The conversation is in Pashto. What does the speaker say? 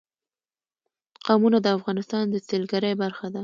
قومونه د افغانستان د سیلګرۍ برخه ده.